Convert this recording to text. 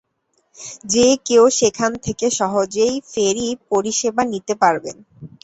যে কেউ সেখান থেকে সহজেই ফেরি পরিষেবা নিতে পারবেন।